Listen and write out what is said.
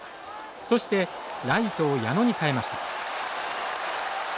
そしてライトを矢野に代えました。